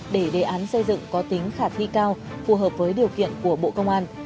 để đề án xây dựng có tính khả thi cao phù hợp với điều kiện của bộ công an